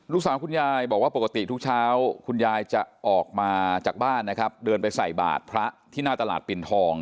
คุณยายบอกว่าปกติทุกเช้าคุณยายจะออกมาจากบ้านนะครับเดินไปใส่บาทพระที่หน้าตลาดปิ่นทอง